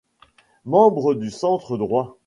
Membre du centre droit.